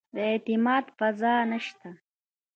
د اعتماد فضا نه شته.